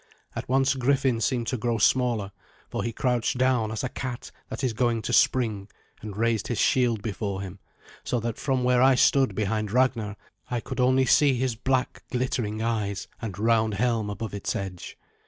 At once Griffin seemed to grow smaller, for he crouched down as a cat that is going to spring, and raised his shield before him, so that from where I stood behind Ragnar I could only see his black glittering eyes and round helm above its edge.